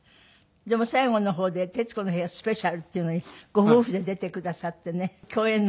でも最後の方で「徹子の部屋スペシャル」っていうのにご夫婦で出てくださってね共演の映像。